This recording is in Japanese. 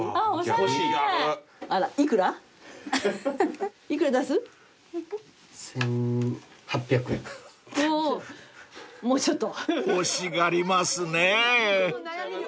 ［欲しがりますねぇ］